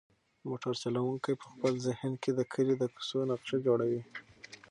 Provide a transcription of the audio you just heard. موټر چلونکی په خپل ذهن کې د کلي د کوڅو نقشه جوړوي.